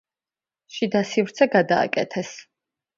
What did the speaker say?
შიდა სივრცე გადააკეთეს.